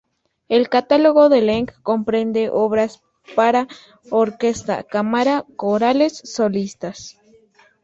El catálogo de Leng comprende obras para orquesta, cámara, corales, solistas.